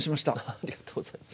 ありがとうございます。